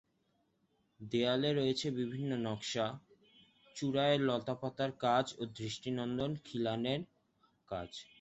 দেয়ালে রয়েছে বিভিন্ন নকশা, চুড়ায় লতাপাতার কাজ ও দৃষ্টিনন্দন খিলানের কাজ।